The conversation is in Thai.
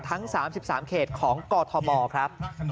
ทั้ง๓๓เขตของกอทมครับ